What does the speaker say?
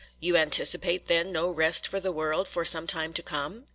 'You anticipate, then, no rest for the world for some time to come?